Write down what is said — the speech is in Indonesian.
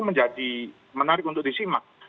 menjadi menarik untuk disimak